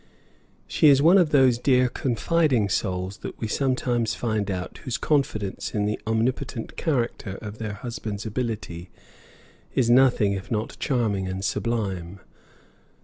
She is one of those dear confiding souls that we sometimes find out whose confidence in the omnipotent character of their husbands' ability is nothing if not charming and sublime.